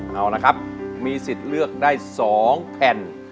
เอาละครับมีสิทธิ์เลือกได้๒แผ่น